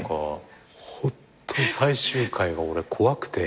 ホント最終回が俺怖くて。